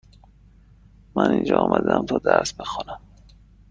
من اینجا آمدم تا درس بخوانم.